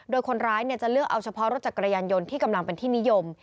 โดยคนร้ายจะเลือกเอาเฉพาะรถจักรยานยนต์ที่กำลังเป็นที่นิยม